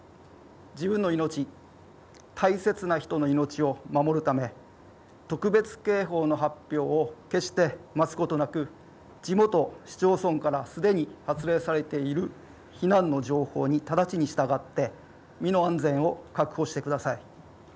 自分の命、大切な人の命を守るため、特別警報の発表を決して待つことなく地元市町村からすでに発令されている避難の情報に直ちに従って身の安全を確保してください。